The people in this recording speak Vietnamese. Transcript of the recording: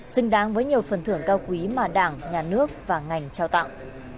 xứng đáng với nhiều phần thưởng cao quý mà đảng nhà nước và ngành trao tặng